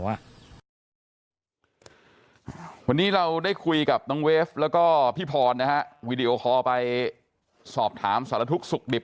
วันนี้เราได้คุยกับน้องเวฟแล้วก็พี่พรนะฮะวีดีโอคอลไปสอบถามสารทุกข์สุขดิบ